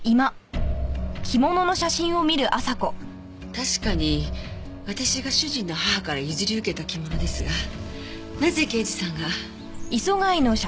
確かに私が主人の母から譲り受けた着物ですがなぜ刑事さんが？